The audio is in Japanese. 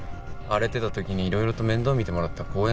荒れてた時にいろいろと面倒見てもらった後援者。